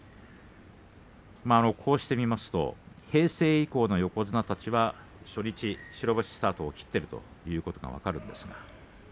こうして見ますと平成以降の横綱たちは初日白星スタートを切っているということが分かります。